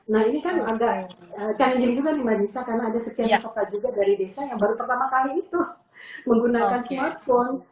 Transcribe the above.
nah ini kan agak challenging juga nih mbak disa karena ada sekian peserta juga dari desa yang baru pertama kali itu menggunakan smartphone